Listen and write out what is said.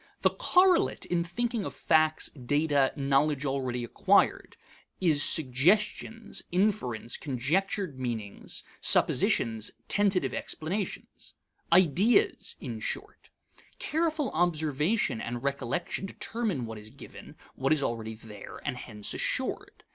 The correlate in thinking of facts, data, knowledge already acquired, is suggestions, inferences, conjectured meanings, suppositions, tentative explanations: ideas, in short. Careful observation and recollection determine what is given, what is already there, and hence assured.